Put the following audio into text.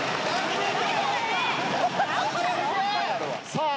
さあ。